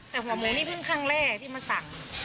แต่หัวหมูนี่เพิ่งครั้งแรกที่มาสั่ง